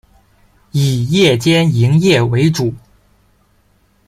以夜间营业为主。